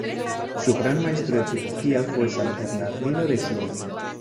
Su gran maestro de teología fue San Bernardino de Siena.